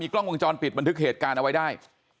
กล้องวงจรปิดบันทึกเหตุการณ์เอาไว้ได้